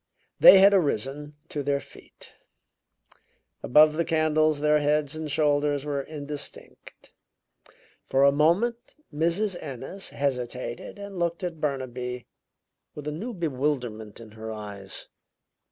They had arisen to their feet; above the candles their heads and shoulders were indistinct. For a moment Mrs. Ennis hesitated and looked at Burnaby with a new bewilderment in her eyes.